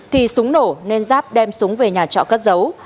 thì súng nổ nên giáp đem súng về nhà trọ cất giấu